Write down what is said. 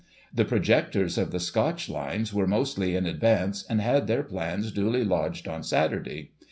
The projectors of the Scotch lines were mostly in advance, and had their plans duly lodged on Saturday.